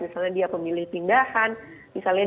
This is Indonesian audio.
misalnya dia pemilih pindahan misalnya